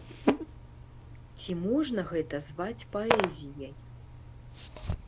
Ці можна гэта зваць паэзіяй?